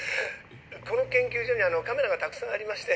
この研究所にカメラがたくさんありまして。